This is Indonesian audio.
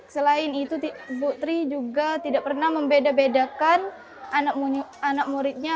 selain itu bu tri juga tidak pernah membeda bedakan anak muridnya